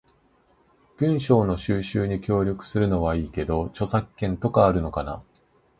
文章の収集に協力するのはいいけど、著作権とかあるのかな？